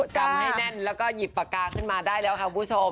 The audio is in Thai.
จำให้แน่นแล้วก็หยิบปากกาขึ้นมาได้แล้วค่ะคุณผู้ชม